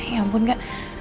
ya ampun gak